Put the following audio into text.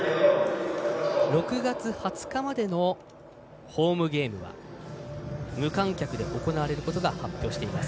６月２０日までのホームゲームは無観客で行われることが発表されています。